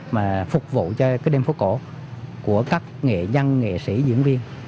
mà phục vụ cho cái đêm phố cổ của các nghệ dân nghệ sĩ diễn viên